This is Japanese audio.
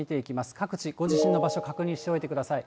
各地、ご自身の場所、確認しておいてください。